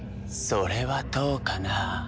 それはどうかな。